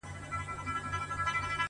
o هغه اوس كډ ه وړي كا بل ته ځي،